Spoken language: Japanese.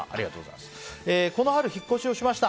この春、引っ越しをしました。